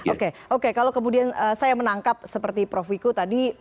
oke oke kalau kemudian saya menangkap seperti prof wiku tadi